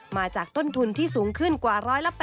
มาจากต้นทุนที่สูงขึ้นกว่า๑๘๐